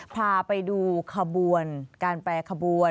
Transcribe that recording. พาไปดูการแปลขบวน